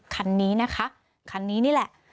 คันนี้นะคะคันนี้นี่แหละ